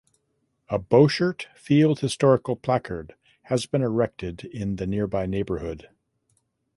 A Borchert Field historical placard has been erected in the nearby neighborhood.